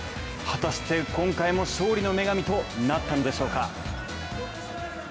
果たして今回も勝利の女神となったんでしょうか？